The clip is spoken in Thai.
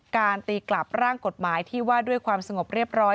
ตีกลับร่างกฎหมายที่ว่าด้วยความสงบเรียบร้อย